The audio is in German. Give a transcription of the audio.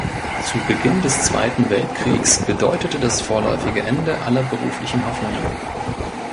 Der Beginn des Zweiten Weltkriegs bedeutete das vorläufige Ende aller beruflichen Hoffnungen.